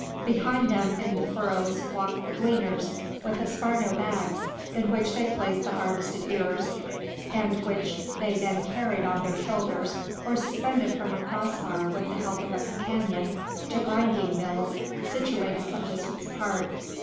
Behind them in the furrows walked the gleaners with esparto bags, in which they placed the harvested ears, and which they then carried on their shoulders, or suspended from a cross bar and with the help of a companion, to grinding mills situated some distance apart.